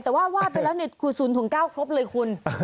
แต่ว่าว่าไปแล้วศูนย์ถุงเกล้าครบเลยคุณ